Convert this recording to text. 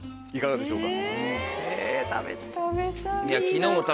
いかがでしょうか？